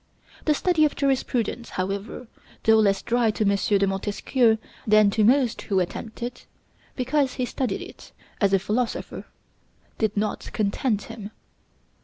The study of jurisprudence, however, though less dry to M. de Montesquieu than to most who attempt it, because he studied it as a philosopher, did not content him.